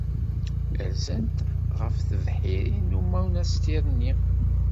Rzant ɣef tebḥirin n umunastir-nni.